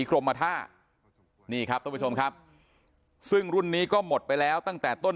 กรมท่านี่ครับท่านผู้ชมครับซึ่งรุ่นนี้ก็หมดไปแล้วตั้งแต่ต้น